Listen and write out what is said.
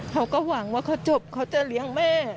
เขาก็หวังว่าเขาจบเขาจะเลี้ยงแม่